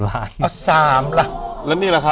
๓ล้านแล้วนี่ล่ะครับ